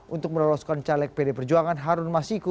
untuk meloloskan caleg pd perjuangan harun masiku